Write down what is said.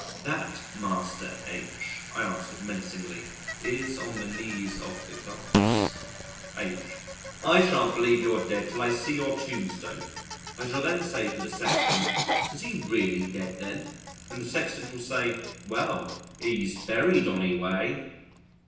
"That Master H ," I answered menacingly, "is on the knees of the Gods." H.: "I shan't believe you're dead till I see your tombstone. I shall then say to the Sexton, 'Is he really dead, then?' and the Sexton will say, 'Well, 'ee's buried onny way.'"